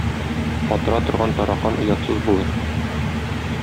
Катыра торган таракан оятсыз булыр.